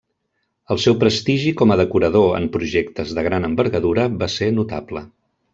El seu prestigi com a decorador en projectes de gran envergadura va ser notable.